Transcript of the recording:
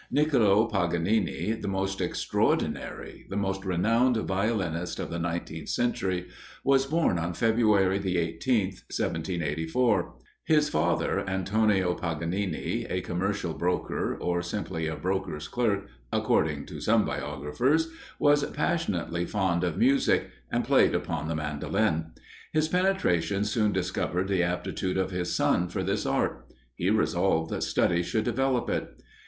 Nicolo Paganini, the most extraordinary the most renowned violinist of the nineteenth century was born on February the 18th, 1784. His father, Antonio Paganini, a commercial broker, or simply a broker's clerk, according to some biographers, was passionately fond of music, and played upon the mandoline. His penetration soon discovered the aptitude of his son for this art. He resolved that study should develope it.